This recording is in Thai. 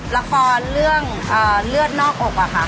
ละครเรื่องเลือดนอกอกอะค่ะ